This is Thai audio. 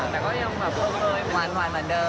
แต่ยังใจความเป็นวันเหมือนเดิม